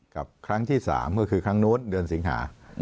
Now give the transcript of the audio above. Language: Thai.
ครั้งที่๓ก็คือครั้งนู้นเดือนสิงหา